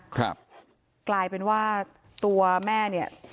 กลายเป็นว่าตัวแม่เนี่ย